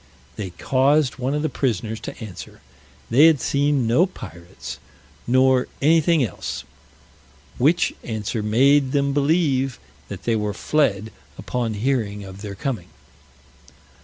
They caused one of the prisoners to answer, they had seen no pirates, nor anything else. Which answer made them believe that they were fled upon hearing of their coming.